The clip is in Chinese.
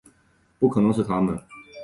不可能是他们